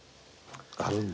あるんだ。